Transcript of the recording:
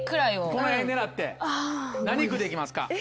この辺狙って何区で行きますか？